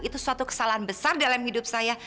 itu suatu kesalahan besar dalam hidup saya